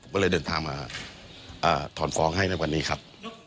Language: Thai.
ก็เลยเดินทางมาถอนฟ้องให้ในวันนี้ครับ